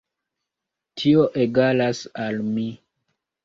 Tio egalas al mi.